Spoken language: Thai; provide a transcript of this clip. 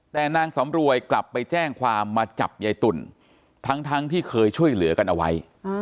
แต่นางสำรวยกลับไปแจ้งความมาจับยายตุ่นทั้งที่เคยช่วยเหลือกันเอาไว้